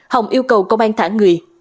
hòng yêu cầu công an thả người